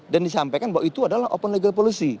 dan disampaikan bahwa itu adalah open legal policy